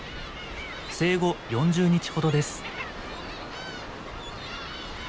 生後４０日ほどです。